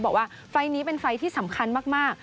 บอกว่าไฟล์นี้เป็นไฟล์ที่สำคัญมาก